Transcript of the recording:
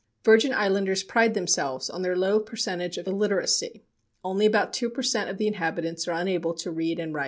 Virgin Islanders pride themselves on their low percentage of illiteracy. Only about two per cent. of the inhabitants are unable to read and write.